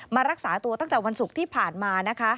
รักษาตัวตั้งแต่วันศุกร์ที่ผ่านมานะคะ